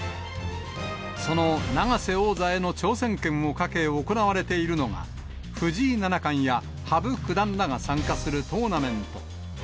その永瀬王座への挑戦権をかけ行われているのが、藤井七冠や羽生九段らが参加するトーナメント。